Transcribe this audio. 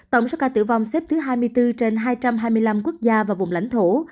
tổng số ca tử vong xếp thứ hai mươi bốn trên hai trăm hai mươi năm quốc gia và vùng lãnh thổ